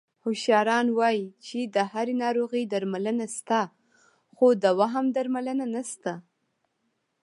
هوښیاران وایي چې د هرې ناروغۍ درملنه شته، خو د وهم درملنه نشته...